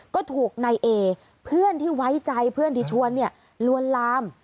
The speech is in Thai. ก็ถูกในเอเพื่อนที่ไว้ใจเพื่อนที่ชวนล้วนลาม